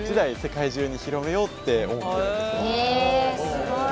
すごい。